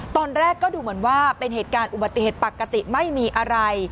ตอนแรกก็ดูเหมือนว่าเป็นเหตุการณ์อุบัติเหตุปกติไม่มีอะไร